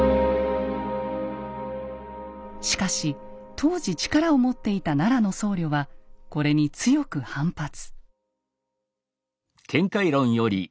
しかし当時力を持っていた奈良の僧侶はこれに強く反発。